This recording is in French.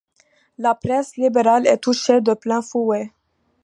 La presse libérale est touchée de plein fouet.